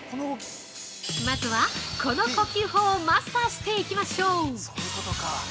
まずは、この呼吸法をマスターしていきましょう。